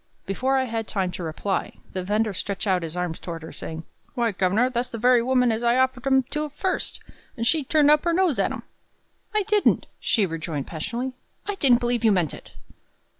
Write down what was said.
Before I had time to reply, the vender stretched out his arm toward her, saying, "Why, governor, that's the very woman as I offered 'em to first, and she turned up her nose at 'em." "I didn't," she rejoined passionately; "I didn't believe you meant it!"